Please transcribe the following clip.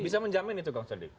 bisa menjamin itu kang sodik